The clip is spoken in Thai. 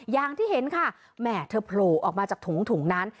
อย่างที่เห็นค่ะแหม่เธอโผล่ออกมาจากถุงถุงนั้น